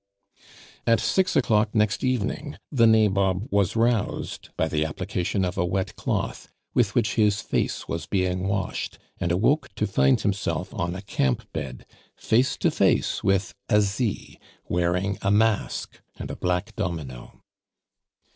At six o'clock next evening, the Nabob was roused by the application of a wet cloth, with which his face was being washed, and awoke to find himself on a camp bed, face to face with Asie, wearing a mask and a black domino.